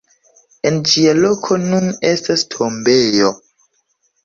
En ĝia loko nun estas tombejo.